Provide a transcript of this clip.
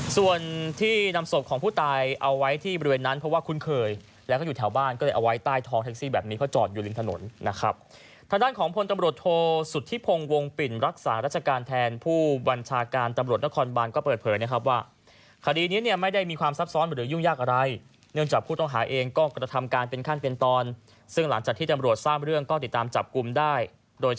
ส่วนนำศพของผู้ตายเอาไว้ที่บริเวณนั้นเพราะว่าคุ้นเคย